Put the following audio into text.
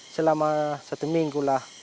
selama satu minggu lah